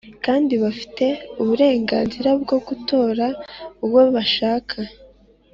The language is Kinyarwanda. Kandi bafite uburenganzira bwo gutora uwo bashakka